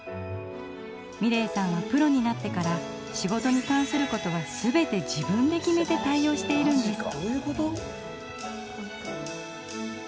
美礼さんはプロになってから仕事に関することは全て自分で決めて対応しているんです。